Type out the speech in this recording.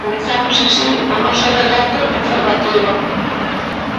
Comezamos así o noso relato informativo.